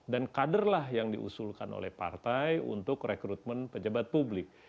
dan kaderlah yang diusulkan oleh partai untuk rekrutmen pejabat publik